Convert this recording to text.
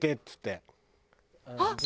あっ！